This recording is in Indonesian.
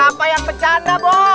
siapa yang bercanda bos